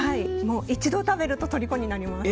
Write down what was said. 一度食べるととりこになります。